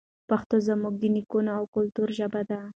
پښتو زموږ د نیکونو او کلتور ژبه ده.